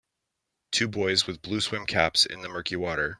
Two boys with blue swim caps in the murky water.